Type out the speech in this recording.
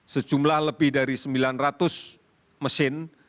sejumlah lebih dari sembilan ratus mesin